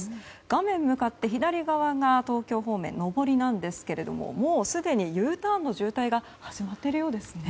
画面向かって左側が東京方面上りなんですけどもうすでにＵターンの渋滞が始まっているようですね。